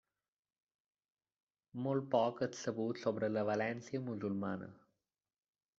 Molt poc és sabut sobre la València musulmana.